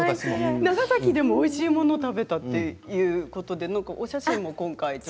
長崎でもおいしいものを食べたということで、お写真が。